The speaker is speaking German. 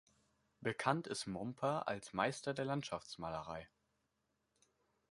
Bekannt ist Momper als Meister der Landschaftsmalerei.